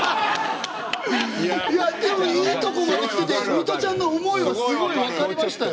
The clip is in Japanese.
いやでもいいとこまできててミトちゃんの思いはすごい分かりましたよ。